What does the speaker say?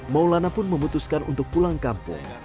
maulana pun memutuskan untuk pulang kampung